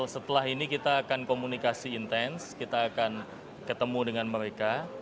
setelah ini kita akan komunikasi intens kita akan ketemu dengan mereka